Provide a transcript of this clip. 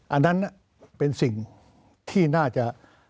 อันนั้นเป็นสิ่งที่น่าจะ